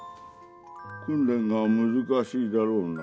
訓練が難しいだろうな。